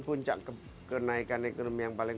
puncak kenaikan ekonomi yang paling